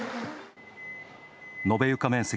延べ床面積